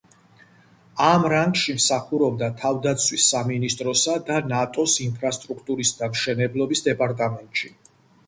ამ რანგში მსახურობდა თავდაცვის სამინისტროსა და ნატოს ინფრასტრუქტურის და მშენებლობის დეპარტამენტში.